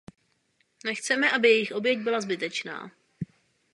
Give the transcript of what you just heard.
Nechceme, aby jejich oběť byla zbytečná.